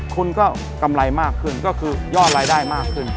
คุณก็กำไรมากขึ้นก็คือยอดรายได้มากขึ้น